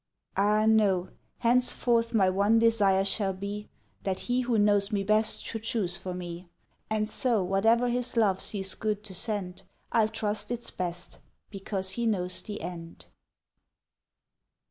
Ah, no! henceforth my one desire shall be, That he who knows me best should choose for me; And so, whate'er his love sees good to send, I'll trust it's best, because he knows the end.